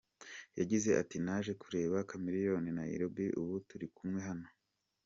Yagize ati: “Naje kureba Chameleone Nairobi ubu turikumwe hano.